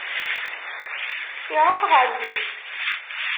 Iruḥ ɣer din?